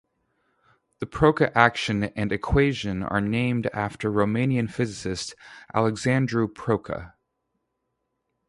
The Proca action and equation are named after Romanian physicist Alexandru Proca.